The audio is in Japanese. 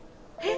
えっ？